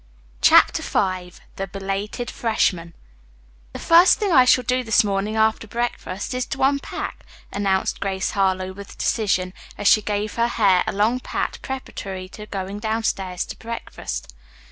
CHAPTER IV THE BELATED FRESHMAN "The first thing I shall do this morning after breakfast is to unpack," announced Grace Harlowe with decision, as she gave her hair a last pat preparatory to going downstairs to breakfast.